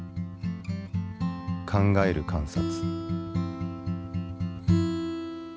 「考える観察」。